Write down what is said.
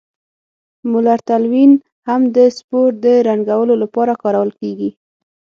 مولر تلوین هم د سپور د رنګولو لپاره کارول کیږي.